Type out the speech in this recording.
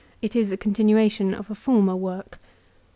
It is a continuation of a former work.